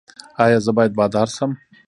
ایا زه باید بادار شم؟